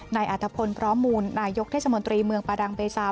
นายอัธพลพร้อมมูลนายกเทศมนตรีเมืองปาดังเบซา